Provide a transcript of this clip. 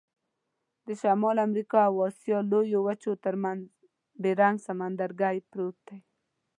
د شمال امریکا او آسیا لویو وچو ترمنځ بیرنګ سمندرګي پروت دی.